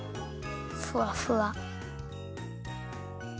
ふわふわ。